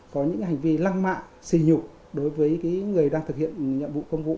có những hành vi lăng mạ xì nhục đối với người đang thực hiện nhiệm vụ công vụ